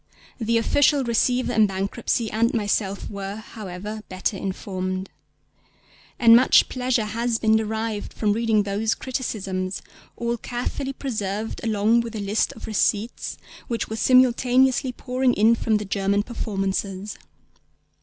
The Official Receiver in Bankruptcy and myself were, however, better informed. And much pleasure has been derived from reading those criticisms, all carefully preserved along with the list of receipts which were simultaneously pouring in from the German performances.